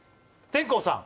天功さん。